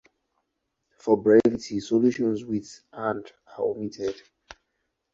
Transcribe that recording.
For brevity, solutions with and are omitted.